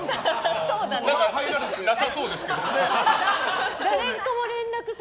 入れてなさそうですけど。